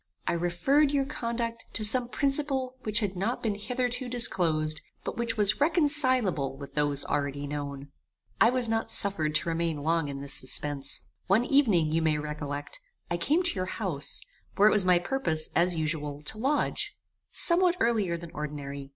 I referred your conduct to some principle which had not been hitherto disclosed, but which was reconcileable with those already known. "I was not suffered to remain long in this suspence. One evening, you may recollect, I came to your house, where it was my purpose, as usual, to lodge, somewhat earlier than ordinary.